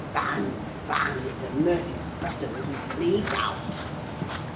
Bang, bang. It's a mercy t' bothom isn't deaved out!"